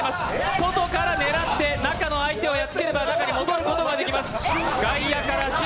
外から狙って中のアイテムをやっつければ中に戻ることができます！